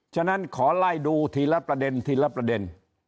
ฉะนั้นขอไล่ดูทีละประเด็นทีละประเด็น